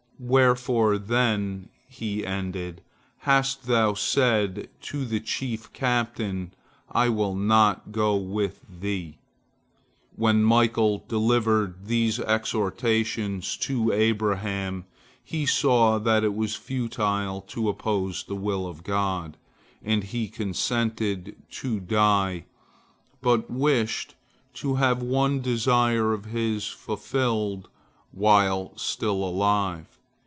"Wherefore, then," he ended, "hast thou said to the chief captain, I will not go with thee?" When Michael delivered these exhortations to Abraham, he saw that it was futile to oppose the will of God, and he consented to die, but wished to have one desire of his fulfilled while still alive.